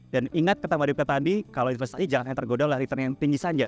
dan ingat kata wadipka tadi kalau investasi jangan hanya tergoda oleh return yang tinggi saja